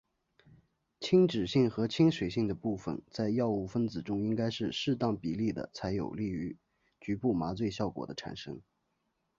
亲脂性和亲水性的部分在药物分子中应该是适当比例的才有利于局部麻醉效果的产生。